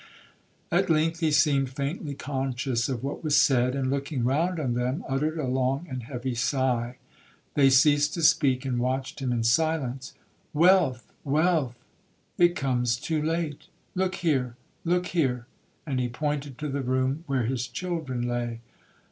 At length he seemed faintly conscious of what was said, and, looking round on them, uttered a long and heavy sigh. They ceased to speak, and watched him in silence.—'Wealth!—wealth!—it comes too late. Look there,—look there!' and he pointed to the room where his children lay.